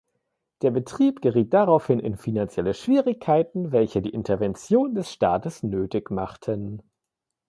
Der Betrieb geriet daraufhin in finanzielle Schwierigkeiten, welche die Intervention des Staates nötig machten.